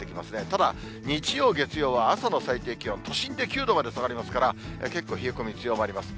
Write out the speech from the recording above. ただ、日曜、月曜は朝の最低気温、都心で９度まで下がりますから、結構冷え込み強まります。